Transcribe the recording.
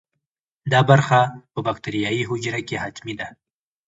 دا برخه په باکتریايي حجره کې حتمي ده.